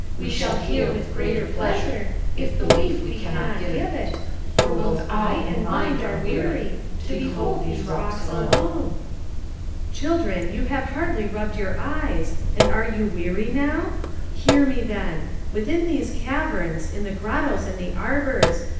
We shall hear with greater pleasure, if belief we can not give it, For both eye and mind are weary, to behold these rocks alone. PHORKYAS. Children, you have hardly rubbed your eyes, and are you weary nowt Hear me, then! Within these caverns, in the grottos and the arbors.